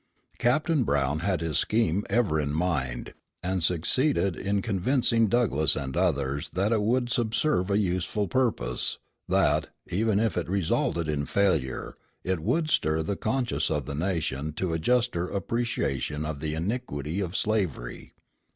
Captain Brown had his scheme ever in mind, and succeeded in convincing Douglass and others that it would subserve a useful purpose, that, even if it resulted in failure, it would stir the conscience of the nation to a juster appreciation of the iniquity of slavery.